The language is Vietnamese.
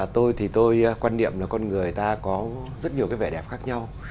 tôi thì tôi quan niệm là con người ta có rất nhiều cái vẻ đẹp khác nhau